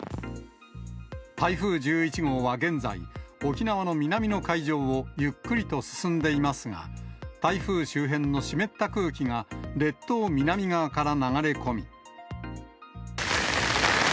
台風１１号は現在、沖縄の南の海上をゆっくりと進んでいますが、台風周辺の湿った空気が、列島南側から流れ込み。